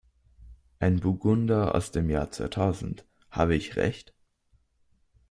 Ein Burgunder aus dem Jahr zweitausend, habe ich Recht?